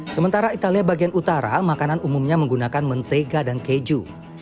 sementara italia bagian utara makanan umumnya menggunakan mentega dan keju